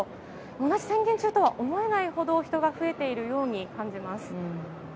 同じ宣言中とは思えないほど人が増えているように感じます。